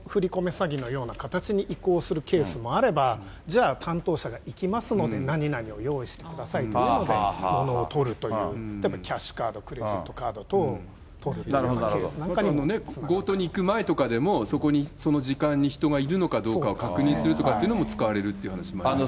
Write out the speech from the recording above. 詐欺のような形に移行するケースもあれば、じゃあ、担当者が行きますので、何々用意してくださいというので、物をとるという、キャッシュカード、クレジットカード等、取強盗に行く前とかでも、そこに、その時間に人がいるのかどうかっていうのを確認するとかっていうのも使われるという話もありますね。